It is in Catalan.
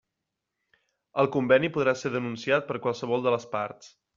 El conveni podrà ser denunciat per qualsevol de les parts.